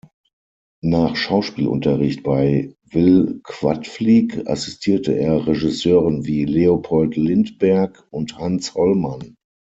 Nach Schauspielunterricht bei Will Quadflieg assistierte er Regisseuren wie Leopold Lindtberg und Hans Hollmann.